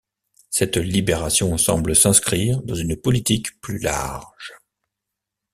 Cette libération semble s'inscrire dans une politique plus large.